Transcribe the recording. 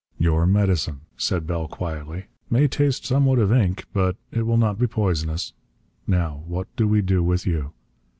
"Your medicine," said Bell quietly, "may taste somewhat of ink, but it will not be poisonous. Now, what do we do with you?